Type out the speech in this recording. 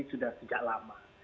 sudah sejak lama